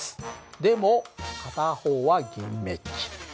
でも片方は銀めっき。